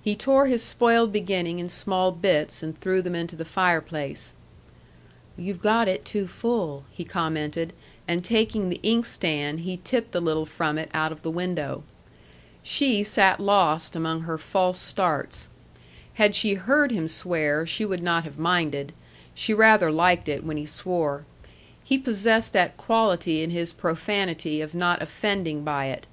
He tore his spoiled beginning in small bits, and threw them into the fireplace. "You've got it too full," he commented; and taking the inkstand, he tipped a little from it out of the window. She sat lost among her false starts. Had she heard him swear, she would not have minded. She rather liked it when he swore. He possessed that quality in his profanity of not offending by it.